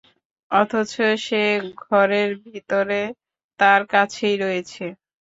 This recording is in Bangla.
অথচ সে ঘরের ভিতরে তার কাছেই রয়েছে।